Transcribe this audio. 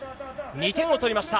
２点を取りました。